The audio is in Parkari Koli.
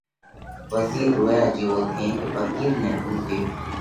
وزِير رويا جيوو ٿينَ ڦقِير نئہ پُونسيو: